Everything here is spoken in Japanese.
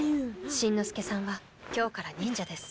しんのすけさんは今日から忍者です。